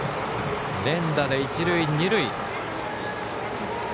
連打で一塁二塁。